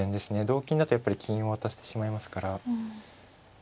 同金だとやっぱり金を渡してしまいますから。